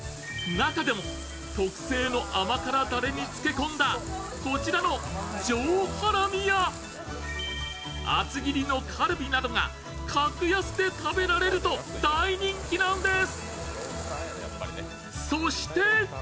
中でも特製の甘辛だれに漬け込んだ上ハラミや厚切りのカルビなどが格安で食べられると大人気なんです。